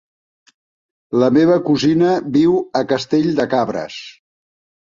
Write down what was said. La meva cosina viu a Castell de Cabres.